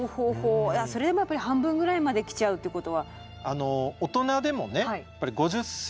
それでもやっぱり半分ぐらいまで来ちゃうってことは。